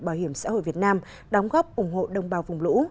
bảo hiểm xã hội việt nam đóng góp ủng hộ đồng bào vùng lũ